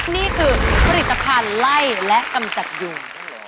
นี่คือผลิตภัณฑ์ไล่และกำจัดอยู่